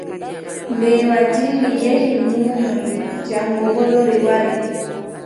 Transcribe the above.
Mbeewa dilli, yehi munyoy, jaŋgo boo lori wari.